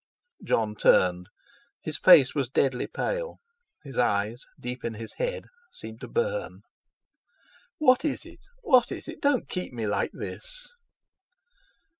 Jon turned. His face was deadly pale; his eyes, deep in his head, seemed to burn. "What is it? What is it? Don't keep me like this!"